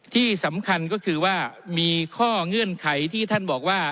ที่สำคัญก็คือว่ามีข้อเงื่อนไขที่ท่านบอกว่า